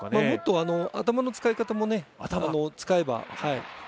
もっと頭の使い方もね使えば。